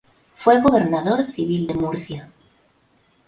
Fue gobernador civil de Murcia.